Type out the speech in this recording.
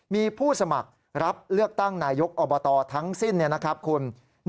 มีผู้สมัครรับเลือกตั้งนายกอบตทั้งสิ้นนะครับคุณ